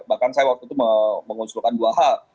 bahkan saya waktu itu mengunculkan dua hal